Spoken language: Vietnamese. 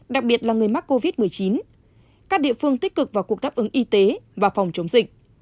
đặc biệt là người mắc covid một mươi chín các địa phương tích cực vào cuộc đáp ứng y tế và phòng chống dịch